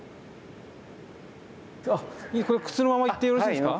靴のまま行ってよろしいですか？